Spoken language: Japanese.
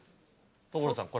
所さん